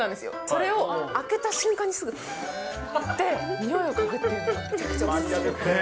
それを開けた瞬間にすぐ、すーって匂いを嗅ぐっていうのがめちゃくちゃお勧め。